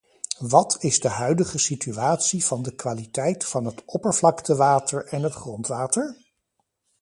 Wat is de huidige situatie van de kwaliteit van het oppervlaktewater en het grondwater?